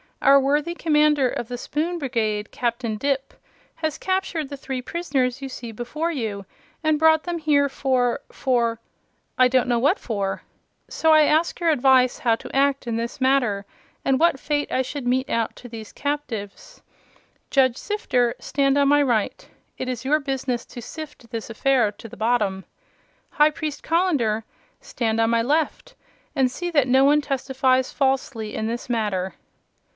Our worthy Commander of the Spoon Brigade, Captain Dipp, has captured the three prisoners you see before you and brought them here for for I don't know what for. So I ask your advice how to act in this matter, and what fate I should mete out to these captives. Judge Sifter, stand on my right. It is your business to sift this affair to the bottom. High Priest Colender, stand on my left and see that no one testifies falsely in this matter."